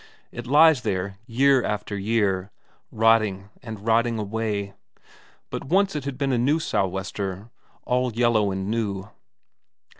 It lies there year after year, rotting and rotting away; but once it had been a new sou'wester, all yellow and new.